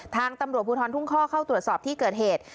ทางตำรวจภูทรทุ่งข้อเข้าตรวจสอบที่เกิดเหตุ